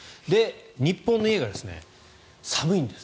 日本の家が寒いんです。